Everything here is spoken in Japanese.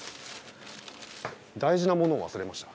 大事なものを忘れました。